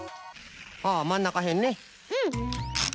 ああまんなかへんね。